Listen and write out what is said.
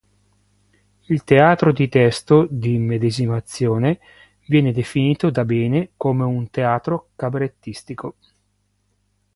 Il teatro di testo, di immedesimazione, viene definito da Bene come un teatro cabarettistico.